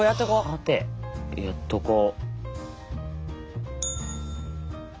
タテやっとこう。